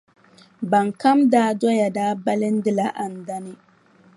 Ban kam daa doya daa balindila Andani.